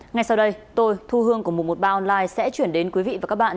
ngay sau đây tôi thu hương của một trăm một mươi ba online sẽ chuyển đến quý vị và các bạn